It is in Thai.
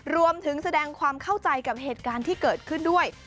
รวมถึงแสดงความเข้าใจกับเหตุการณ์ที่เกิดขึ้นด้วย